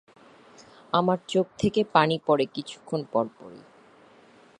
আমার চোখ থেকে পানি পরে কিছুক্ষণ পরপরই।